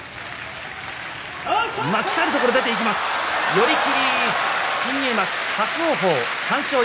寄り切り新入幕、伯桜鵬の勝ち